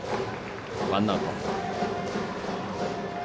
ワンアウト。